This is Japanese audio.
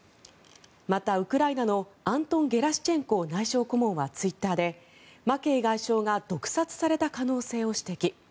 また、ウクライナのアントン・ゲラシチェンコ内相顧問はツイッターでマケイ外相が毒殺された可能性を指摘。